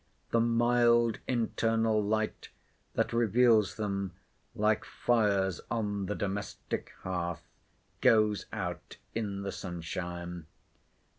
The mild internal light, that reveals them, like fires on the domestic hearth, goes out in the sunshine.